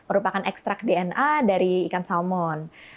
ini merupakan ekstrak dna dari ikan salmon